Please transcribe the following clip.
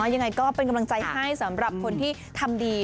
ยังไงก็เป็นกำลังใจให้สำหรับคนที่ทำดี